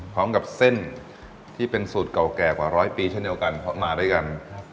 พร้อมกับเส้นที่เป็นสูตรเก่าแก่กว่าร้อยปีเช่นเดียวกันเพราะมาด้วยกัน